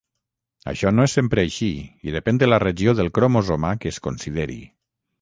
Això no és sempre així i depèn de la regió del cromosoma que es consideri.